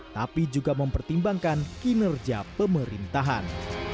tapi juga mempertimbangkan kinerja pemerintahan